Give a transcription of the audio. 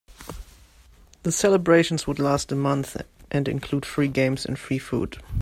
The celebrations would last a month and include free games and free food.